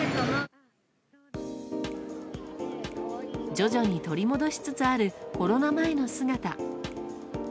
徐々に取り戻しつつあるコロナ前の姿。